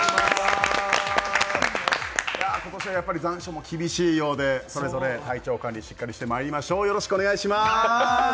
今年も残暑も厳しいようで、それぞれ体調管理しっかりしてまいりましょうよろしくお願いします！